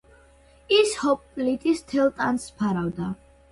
ის ჰოპლიტის მთელ ტანს ფარავდა.